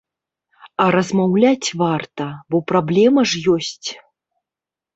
А размаўляць варта, бо праблема ж ёсць.